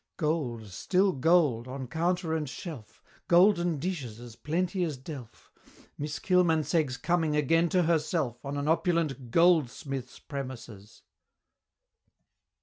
Gold, still gold! on counter and shelf! Golden dishes as plenty as delf; Miss Kilmansegg's coming again to herself On an opulent Goldsmith's premises!